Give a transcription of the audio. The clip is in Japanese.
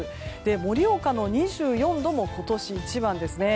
盛岡の２４度も今年一番ですね。